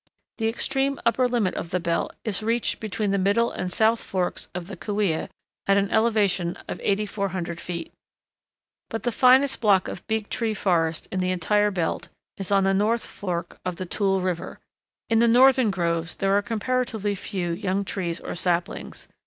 The extreme upper limit of the belt is reached between the middle and south forks of the Kaweah at an elevation of 8400 feet. But the finest block of Big Tree forest in the entire belt is on the north fork of Tule River. In the northern groves there are comparatively few young trees or saplings.